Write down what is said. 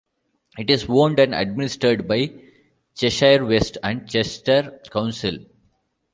It is owned and administered by Cheshire West and Chester Council.